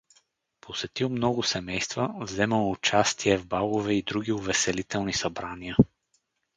Посетил много семейства, вземал участие в балове и други увеселителни събрания.